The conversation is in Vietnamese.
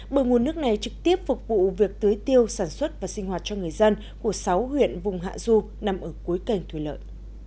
bởi nguồn nước này trực tiếp phục vụ việc tưới tiêu sản xuất và sinh hoạt cho người dân của sáu huyện vùng hạ du nằm ở cuối kênh thủy lợi